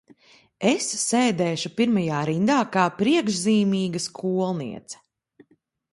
Es sēdēšu pirmajā rindā kā priekšzīmīga skolniece.